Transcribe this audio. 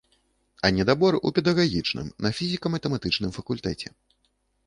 А недабор у педагагічным на фізіка-матэматычным факультэце.